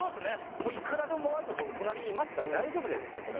もういくらでももがいて僕隣にいますから大丈夫ですってそれは。